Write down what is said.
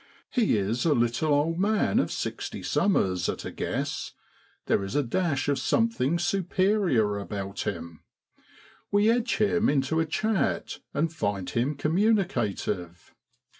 He is a little old man of sixty summers, at a guess ; there is a dash of something superior about him. We edge him into a chat, and find him communicative.